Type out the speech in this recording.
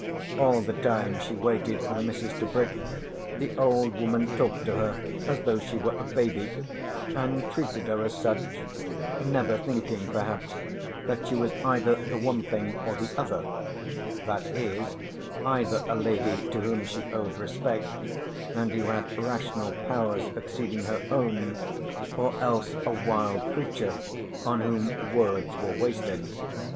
All the time she waited on Mrs. Tebrick the old woman talked to her as though she were a baby, and treated her as such, never thinking perhaps that she was either the one thing or the other, that is either a lady to whom she owed respect and who had rational powers exceeding her own, or else a wild creature on whom words were wasted.